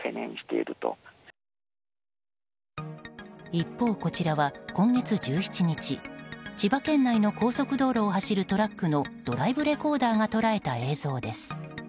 一方、こちらは今月１７日千葉県内の高速道路を走るトラックのドライブレコーダーが捉えた映像です。